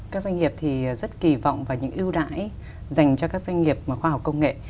các doanh nghiệp thì rất kỳ vọng vào những ưu đãi dành cho các doanh nghiệp khoa học công nghệ